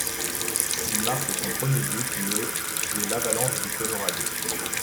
Il marque son premier but le chez l'Avalanche du Colorado.